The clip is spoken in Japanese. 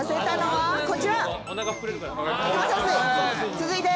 続いて。